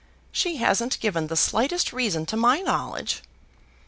She hasn't given the slightest reason to my knowledge."